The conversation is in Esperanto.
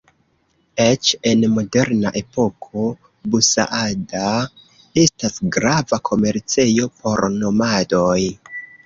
Eĉ en moderna epoko, Bu-Saada estas grava komercejo por nomadoj.